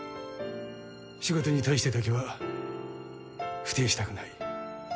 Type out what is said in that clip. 仕事に対してだけは不貞したくない。